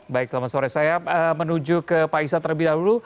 baik selamat sore saya menuju ke pak isa terlebih dahulu